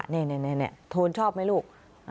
นี่โทนชอบไหมลูก